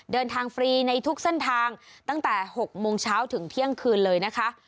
ฟรีในทุกเส้นทางตั้งแต่๖โมงเช้าถึงเที่ยงคืนเลยนะคะ